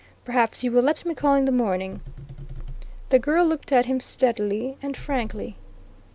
Perhaps you will let me call in the morning." The girl looked at him steadily and frankly.